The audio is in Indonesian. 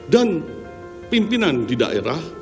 dan pimpinan di daerah